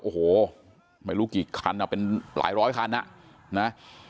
โอ้โหไม่รู้กี่คันเป็นหลายร้อยคันอ่ะนะ